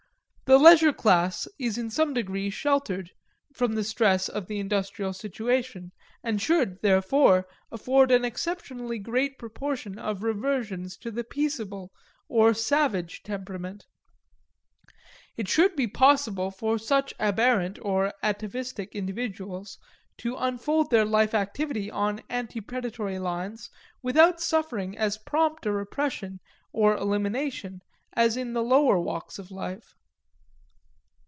The leisure class is in some degree sheltered from the stress of the industrial situation, and should, therefore, afford an exceptionally great proportion of reversions to the peaceable or savage temperament. It should be possible for such aberrant or atavistic individuals to unfold their life activity on ante predatory lines without suffering as prompt a repression or elimination as in the lower walks of life.